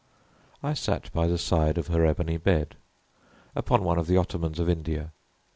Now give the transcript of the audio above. I sat by the side of her ebony bed, upon one of the ottomans of India.